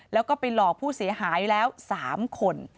แล้วก็ไปหลอกผู้เสียหายแล้ว๓คน